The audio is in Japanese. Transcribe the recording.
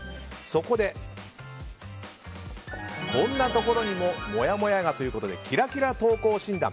そこで、こんなところにももやもやがということでキラキラ投稿診断。